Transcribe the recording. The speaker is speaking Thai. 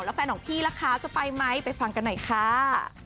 แล้วแฟนของพี่ล่ะคะจะไปไหมไปฟังกันหน่อยค่ะ